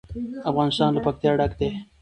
افغانستان له پکتیا ډک دی.